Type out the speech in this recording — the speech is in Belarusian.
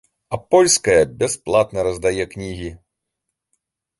А польская бясплатна раздае кнігі!